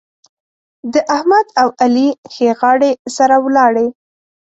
د احمد او علي ښې غاړې سره ولاړې.